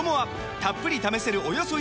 たっぷり試せるおよそ１カ月！